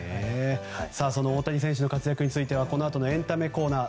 その大谷選手の活躍についてはこのあとのエンタメコーナー